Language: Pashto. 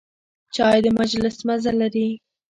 چای د مجلس مزه لري.